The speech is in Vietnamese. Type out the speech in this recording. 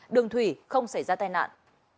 đường thủy không xảy ra tai nạn